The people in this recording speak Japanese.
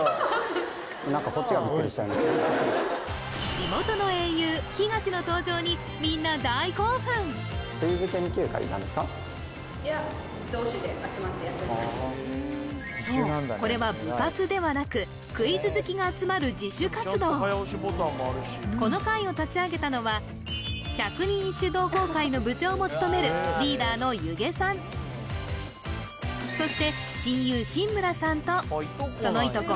地元の英雄東の登場にみんないやそうこれは部活ではなくクイズ好きが集まるこの会を立ち上げたのは百人一首同好会の部長も務めるリーダーの弓削さんそして親友新村さんとそのいとこ